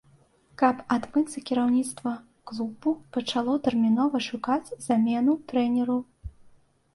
Каб адмыцца, кіраўніцтва клубу пачало тэрмінова шукаць замену трэнеру.